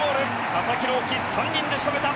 佐々木朗希３人で仕留めた！